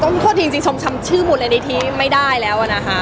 ต้องโทษจริงชมชมชื่อมูลในนี้ที่ไม่ได้แล้วนะฮะ